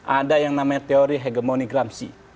ada yang namanya teori hegemoni gramsci